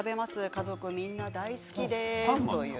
家族みんな大好きです。